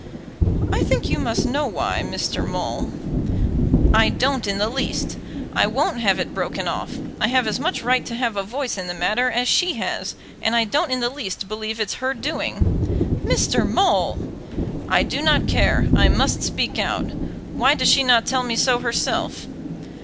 "I think you must know why, Mr. Maule." "I don't in the least. I won't have it broken off. I have as much right to have a voice in the matter as she has, and I don't in the least believe it's her doing." "Mr. Maule!" "I do not care; I must speak out. Why does she not tell me so herself?"